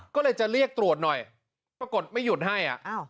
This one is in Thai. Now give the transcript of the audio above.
ก็เลยจะเรียกตรวจหน่อยปรากฏไม่หยุดให้